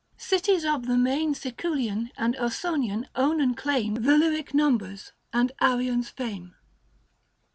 Cities of the main Siculian and Ausonian own and claim The lyric numbers and virion's fame.